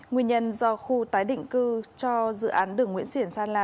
nguyên nhân do khu tái định cư cho dự án đường nguyễn xỉn gia la